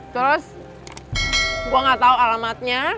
terus gue gak tau alamatnya